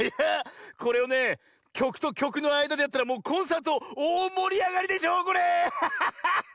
これをねきょくときょくのあいだでやったらもうコンサートおおもりあがりでしょうこれ。